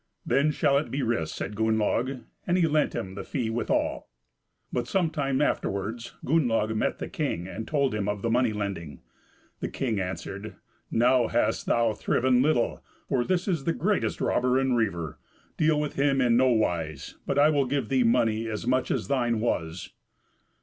"Then shall it be risked," says Gunnlaug; and he lent him the fee withal. But some time afterwards Gunnlaug met the king, and told him of the money lending. The king answered, "Now hast thou thriven little, for this is the greatest robber and reiver; deal with him in no wise, but I will give thee money as much as thine was."